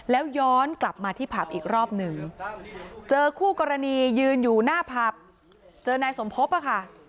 แล้วย้อนกลับมาที่ผับอีกรอบหนึ่งเจอคู่กรณียืนอยู่หน้าผับเจอนายสมภพค่ะ